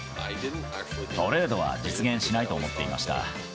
トレードは実現しないと思っていました。